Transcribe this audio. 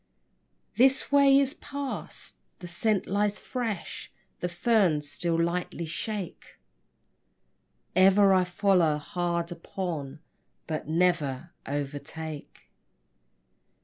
This way it passed: the scent lies fresh; The ferns still lightly shake. Ever I follow hard upon, But never overtake.